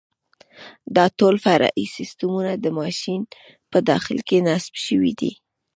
دا ټول فرعي سیسټمونه د ماشین په داخل کې نصب شوي دي.